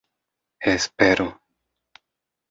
espero